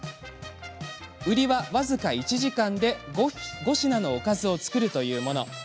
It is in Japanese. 売りは僅か１時間で５品のおかずを作るというもの。